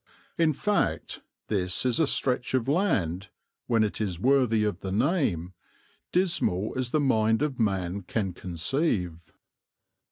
In fact, this is a stretch of land, when it is worthy of the name, dismal as the mind of man can conceive.